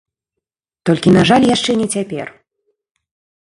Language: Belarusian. Толькі на жаль яшчэ не цяпер.